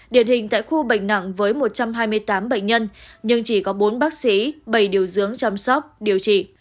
điển hình tại khu bệnh nặng với một trăm hai mươi tám bệnh nhân nhưng chỉ có bốn bác sĩ bảy điều dưỡng chăm sóc điều trị